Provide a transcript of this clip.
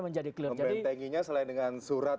menjadi clear membentenginya selain dengan surat